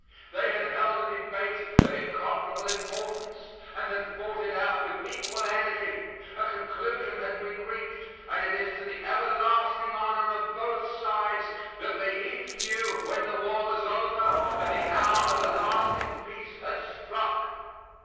They had held a debate of incomparable importance and had fought it out with equal energy. A conclusion had been reached and it is to the everlasting honor of both sides that they each knew when the war was over and the hour of a lasting peace had struck.